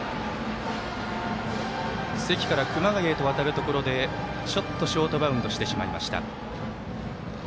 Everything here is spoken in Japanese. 関から熊谷へと渡るところでちょっと、ショートバウンドしてしまいました。